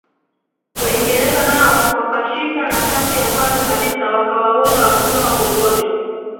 Waingereza nao wakashika nafasi ya kwanza kabisa wakawauza watumwa popote